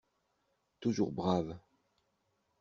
Toujours brave